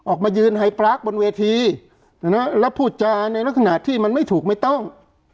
ออกมายืนไฮปรากบนเวทีแล้วพูดจาในลักษณะที่มันไม่ถูกไม่ต้อง